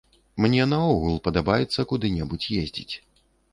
Мне наогул падабаецца куды-небудзь ездзіць.